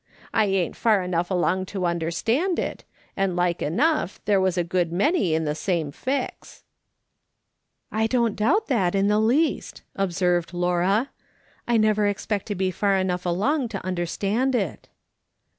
I ain't far enough along to understand it ; and like enough there was a good many in the same fix." "I don't doubt it in the least," observed Laura. " I never expect to be far enough along to under stand it."